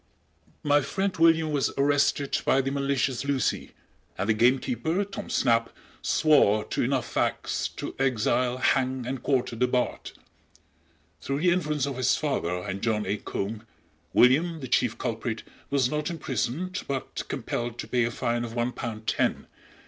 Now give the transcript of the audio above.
My friend William was arrested by the malicious Lucy, and the gamekeeper, Tom Snap, swore to enough facts to exile, hang and quarter the Bard. Through the influence of his father and John A. Combe, William, the chief culprit, was not imprisoned, but compelled to pay a fine of one pound ten.